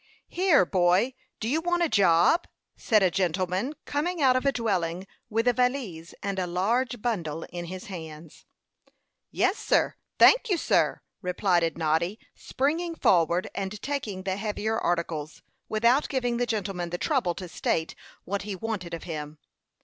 "Here, boy, do you want a job?" said a gentleman, coming out of a dwelling with a valise and a large bundle in his hands. "Yes, sir; thank you, sir," replied Noddy, springing forward, and taking the heavier articles, without giving the gentleman the trouble to state what he wanted of him.